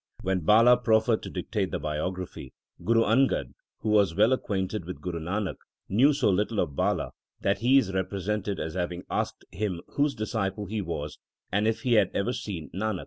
When Bala proffered to dictate the biography, Guru Angad, who was well acquainted with Guru Nanak, / knew so little of Bala that he is represented as having asked him whose disciple he was, and if he had ever seen Nanak.